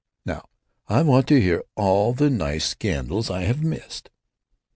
Now I want to hear all the nice scandals I have missed."